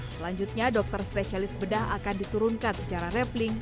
selanjutnya dokter spesialis bedah akan diturunkan secara rapling